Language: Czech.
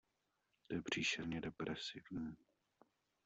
To je příšerně depresivní.